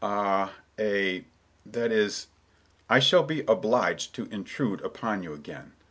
"Ah—a—that is—I shall be obliged to intrude upon you again.